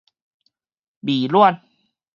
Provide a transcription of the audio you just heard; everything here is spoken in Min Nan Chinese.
微軟